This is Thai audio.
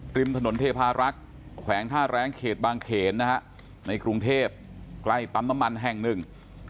ริมถนนเทพารักษ์แขวงท่าแรงเขตบางเขนนะฮะในกรุงเทพใกล้ปั๊มน้ำมันแห่งหนึ่ง